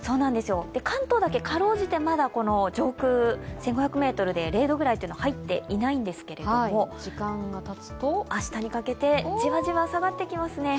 関東だけ辛うじてまだ上空１５００ｍで０度くらいは入ってないんですけれど明日にかけてじわじわ下がってきますね。